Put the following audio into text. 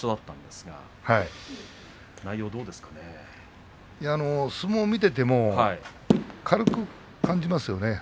馬は相撲見ていても軽く感じますね。